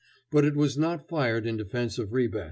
But it was not fired in defence of Ribe.